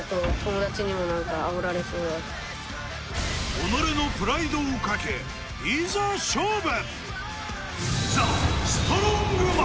己のプライドをかけいざ勝負！